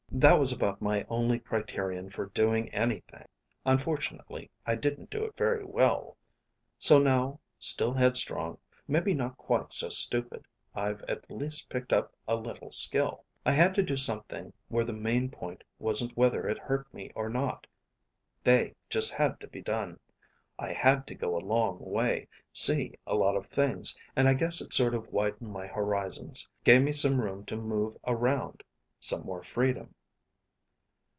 That was about my only criterion for doing anything. Unfortunately I didn't do it very well. So now, still head strong, maybe not quite so stupid, I've at least picked up a little skill. I had to do something where the main point wasn't whether it hurt me or not. They just had to be done. I had to go a long way, see a lot of things, and I guess it sort of widened my horizons, gave me some room to move around some more freedom."